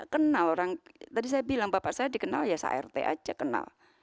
kenal orang tadi saya bilang bapak saya dikenal ya sart aja kenal